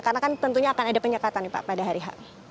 karena kan tentunya akan ada penyekatan pada hari h